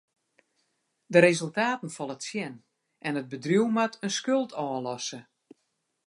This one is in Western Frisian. De resultaten falle tsjin en it bedriuw moat in skuld ôflosse.